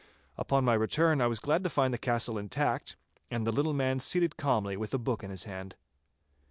Upon my return I was glad to find the castle intact, and the little man seated calmly with a book in his hand.